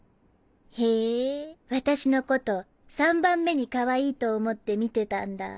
へぇ私のこと３番目にかわいいと思って見てたんだぁ。